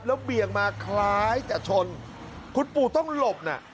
แล้วเบี่ยงมาคล้ายจะชนคุณปู่ต้องหลบน่ะ